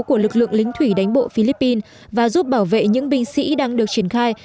của lực lượng lính thủy đánh bộ philippines và giúp bảo vệ những binh sĩ đang được triển khai